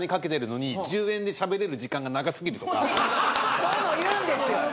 そういうの言うんですよ。